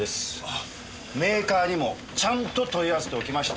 メーカーにもちゃんと問い合わせておきました！